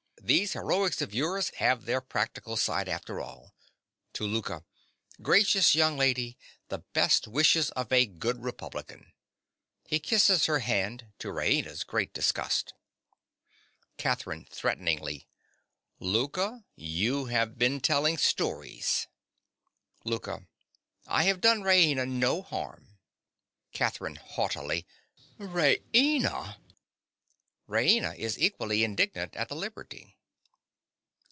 These heroics of yours have their practical side after all. (To Louka.) Gracious young lady: the best wishes of a good Republican! (He kisses her hand, to Raina's great disgust.) CATHERINE. (threateningly). Louka: you have been telling stories. LOUKA. I have done Raina no harm. CATHERINE. (haughtily). Raina! (_Raina is equally indignant at the liberty.